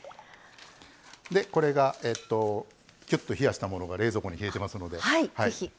これが、きゅっと冷やしたものが冷蔵庫に冷えていますので。